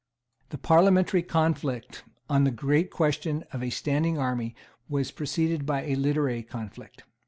The parliamentary conflict on the great question of a standing army was preceded by a literary conflict.